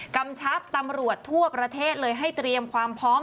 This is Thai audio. กำชับตำรวจทั่วประเทศเลยให้เตรียมความพร้อม